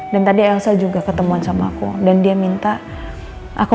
dan tadi elsa juga ketemuan sama aku dan dia minta aku